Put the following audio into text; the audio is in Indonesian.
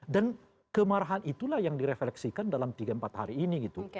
dan kemarahan itulah yang direfleksikan dalam tiga empat hari ini gitu